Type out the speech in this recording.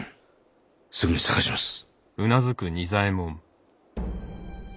すぐに捜します。